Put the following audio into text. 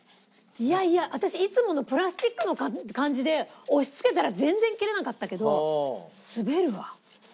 いやいや私いつものプラスチックの感じで押し付けたら全然切れなかったけど滑るわ。